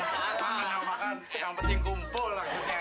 makan gak makan yang penting kumpul langsung ya